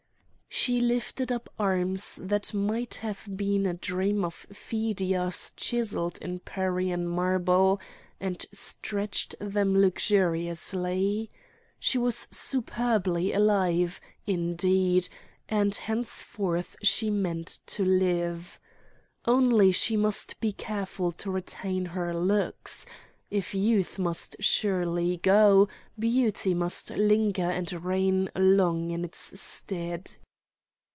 She lifted up arms that might have been a dream of Phidias chiselled in Parian marble, and stretched them luxuriously. She was superbly alive, indeed—and henceforth she meant to live. Only she must be careful to retain her looks ... If Youth must surely go, Beauty must linger and reign long in its stead.